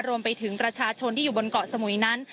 รวมไปถึงประชาชนที่อยู่บนเกาะสมุยนั้น